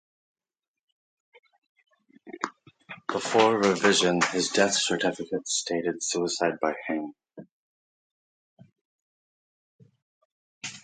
Before revision, his death certificate stated "suicide by hanging".